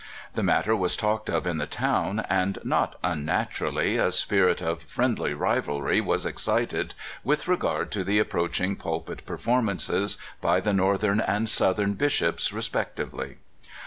The matter was talked of in the town, and not unnaturally a spirit of friendly rivalry was excited with regard to the approaching pulpit performances by the Northern and Southern bishops respectively.